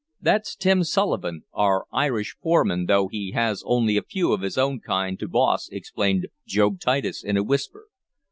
"That's Tim Sullivan, our Irish foreman, though he has only a few of his own kind to boss," explained Job Titus in a whisper.